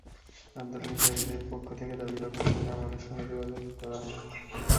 আন্দোলনকারীদের পক্ষ থেকে দাবিদাওয়া প্রসঙ্গে আমাদের সঙ্গে কোনো ধরনের যোগাযোগ করা হয়নি।